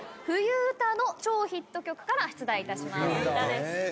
冬うたの超ヒット曲から出題いたします。